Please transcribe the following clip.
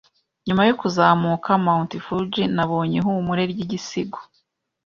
Nyuma yo kuzamuka Mt. Fuji, Nabonye ihumure ry'igisigo.